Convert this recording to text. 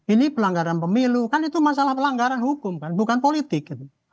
ini pelanggaran pemilu kan itu masalah pelanggaran hukum kan bukan politik